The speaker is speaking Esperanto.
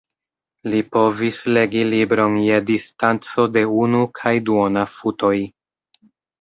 Li povis "legi libron je distanco de unu kaj duona futoj".